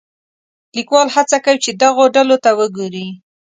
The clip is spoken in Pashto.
لیکوال هڅه کوي چې دغو ډلو ته وګوري.